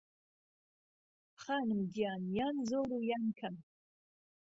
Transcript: خانم گیان یان زۆر و یان کهم